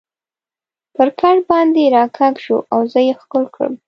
پر کټ باندې را کږ شو او زه یې ښکل کړم.